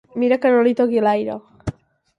Mira que no li toqui l'aire.